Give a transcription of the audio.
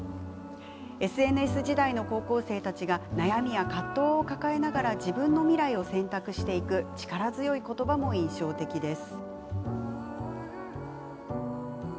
ＳＮＳ時代の高校生たちが悩みや葛藤を抱えながら自分の未来を選択していく力強い言葉も印象的です。